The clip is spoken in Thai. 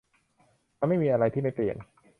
มันไม่มีอะไรที่ไม่เปลี่ยน